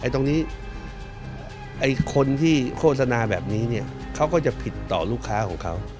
ตรงนี้คนที่โฆษณาแบบนี้เขาก็จะผิดต่อลูกค้าของเขา